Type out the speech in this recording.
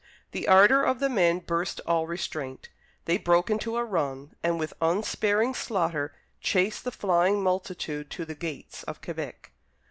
The ardour of the men burst all restraint. They broke into a run and with unsparing slaughter chased the flying multitude to the gates of Quebec.